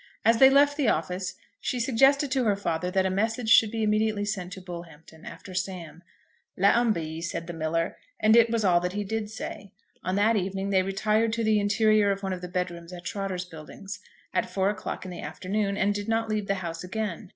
As they left the office, she suggested to her father that a message should be immediately sent to Bullhampton after Sam. "Let 'un be," said the miller; and it was all that he did say. On that evening they retired to the interior of one of the bedrooms at Trotter's Buildings, at four o'clock in the afternoon, and did not leave the house again.